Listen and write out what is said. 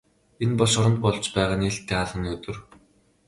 Энэ бол шоронд болж байгаа нээлттэй хаалганы өдөр.